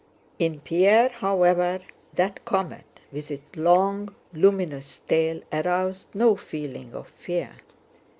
In Pierre, however, that comet with its long luminous tail aroused no feeling of fear.